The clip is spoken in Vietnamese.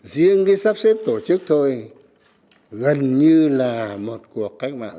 riêng cái sắp xếp tổ chức thôi gần như là một cuộc cách mạng